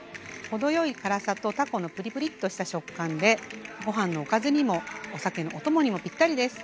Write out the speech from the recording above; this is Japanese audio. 程よい辛さとたこのプリプリッとした食感でごはんのおかずにもお酒のお供にもぴったりです。